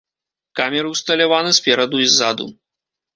Камеры ўсталяваны спераду і ззаду.